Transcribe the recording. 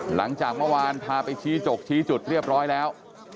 หลังจากเมื่อวานพาไปชี้จกชี้จุดเรียบร้อยแล้ว